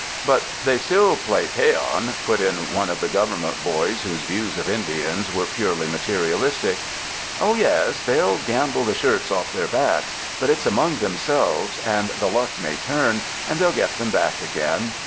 ''But they still play peon," put in one of the Government boys, whose views of Indians were purely materialistic. "Oh, yes, they'll gamble the shirts oif their backs ; but it's among themselves and the luck may turn, and they'll get them back again.